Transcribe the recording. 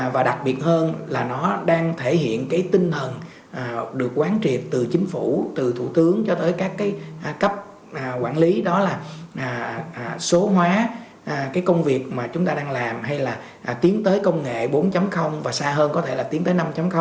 và đặc biệt hơn là nó đang thể hiện cái tinh thần được quán triệt từ chính phủ từ thủ tướng cho tới các cái cấp quản lý đó là số hóa cái công việc mà chúng ta đang làm hay là tiến tới công nghệ bốn và xa hơn có thể là tiến tới năm